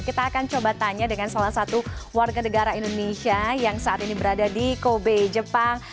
kita akan coba tanya dengan salah satu warga negara indonesia yang saat ini berada di kobe jepang